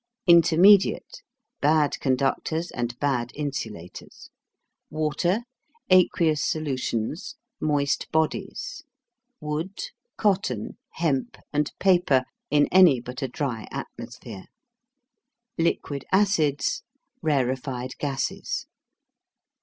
INTERMEDIATE (bad conductors and bad insulators). Water, aqueous solutions, moist bodies; wood, cotton, hemp, and paper in any but a dry atmosphere; liquid acids, rarefied gases.